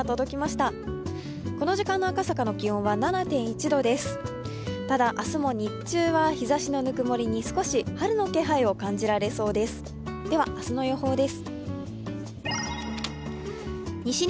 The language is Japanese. ただ、明日も日中は日ざしのぬくもりに少し春の気配を感じられそうです。